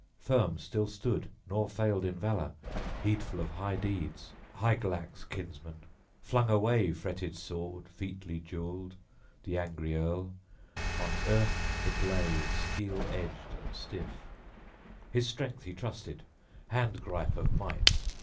Firm still stood, nor failed in valor, heedful of high deeds, Hygelac's kinsman; flung away fretted sword, featly jewelled, the angry earl; on earth it lay steel edged and stiff. His strength he trusted, hand gripe of might.